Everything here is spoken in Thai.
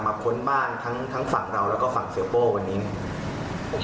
มาค้นบ้านทั้งทั้งฝั่งเราแล้วก็ฝั่งเซลโป้วันนี้ผมว่าโอเคนะครับ